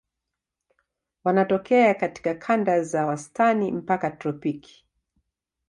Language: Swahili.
Wanatokea katika kanda za wastani mpaka tropiki.